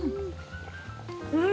うん！